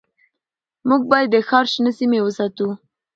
موږ باید د ښار شنه سیمې وساتو